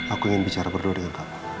aku ingin bicara berdua dengan